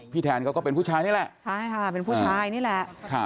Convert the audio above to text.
แทนเขาก็เป็นผู้ชายนี่แหละใช่ค่ะเป็นผู้ชายนี่แหละ